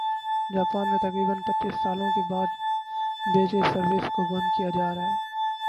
Japan میں تقریبا ًپچيس سالوں کے بعد پیجر سروس کو بند کیا جا رہا ہے